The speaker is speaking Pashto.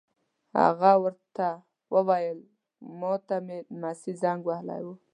هغه ور ته وویل: ما ته مې نمسی زنګ وهلی و.